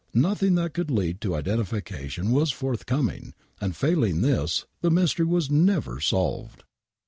Xothing that could lead to identification was forthcoming, and, failing this, the mystery was never solved.